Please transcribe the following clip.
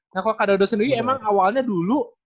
nah kalau kak dodo sendiri emang awalnya dulu